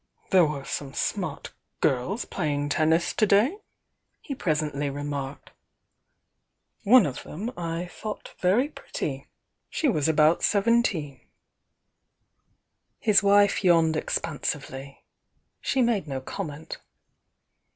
"There were some smart girls playing tennis to day," he presently remarked. "One of tiiem I • thought very pretty. She was about seventeen." 4 50 THE YOUNG DIANA ^:l His wife yawned expansively. She made no com ment.